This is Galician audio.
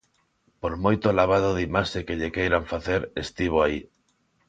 Por moito lavado de imaxe que lle queiran facer, estivo aí.